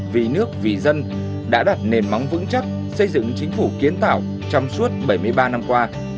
vì nước vì dân đã đặt nền móng vững chắc xây dựng chính phủ kiến tạo trong suốt bảy mươi ba năm qua